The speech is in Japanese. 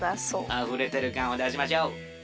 あふれてるかんをだしましょう。